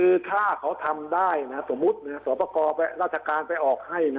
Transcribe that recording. คือถ้าเขาทำได้นะสมมุติสอบประกอบราชการไปออกให้นะ